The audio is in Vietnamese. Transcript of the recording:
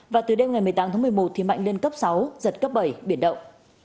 và từ đêm ngày một mươi tám tháng một mươi một thì mạnh lên cấp sáu giật cấp bảy biển động